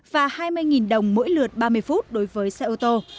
và hai mươi đồng mỗi lượt ba mươi phút đối với xe ô tô